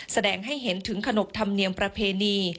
แสดงให้เห็นถึงขนบธรรมเนียมประเพณี